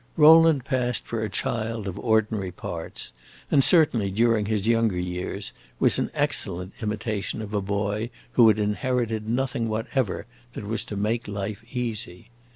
Rowland passed for a child of ordinary parts, and certainly, during his younger years, was an excellent imitation of a boy who had inherited nothing whatever that was to make life easy.